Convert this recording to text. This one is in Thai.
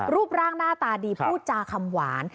รูปร่างหน้าตาดีพูดจาคำหวาน